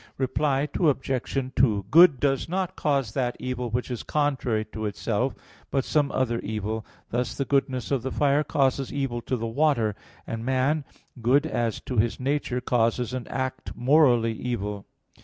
Reply Obj. 2: Good does not cause that evil which is contrary to itself, but some other evil: thus the goodness of the fire causes evil to the water, and man, good as to his nature, causes an act morally evil.